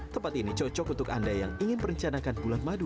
tempat ini cocok untuk anda yang ingin merencanakan bulan madu